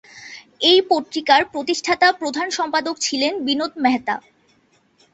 এই পত্রিকার প্রতিষ্ঠাতা-প্রধান সম্পাদক ছিলেন বিনোদ মেহতা।